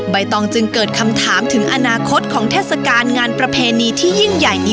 หลังจากติดตามงานประเพณีนี้มาหลายวัน